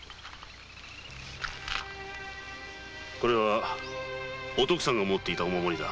これはおとくさんが持っていたお守りだ。